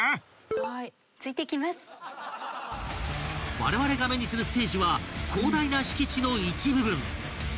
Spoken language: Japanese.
［われわれが目にするステージは広大な敷地の一部分］